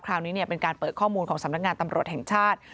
คราวนี้เป็นการเปิดข้อมูลของสำนักงานตำรวจแห่งชาติ